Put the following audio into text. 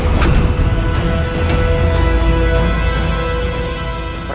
tapi ada juga jalan jalan men